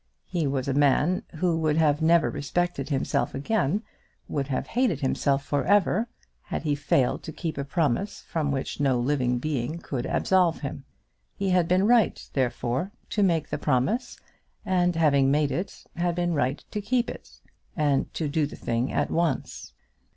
He was a man who would have never respected himself again would have hated himself for ever, had he failed to keep a promise from which no living being could absolve him. He had been right therefore to make the promise, and having made it, had been right to keep it, and to do the thing at once.